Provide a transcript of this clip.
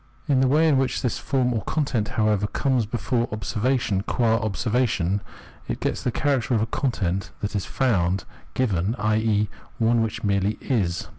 In the way in which this form or content, however, comes before observation qua observation, it gets the character of a content that is found, given, i.e. one which merely is.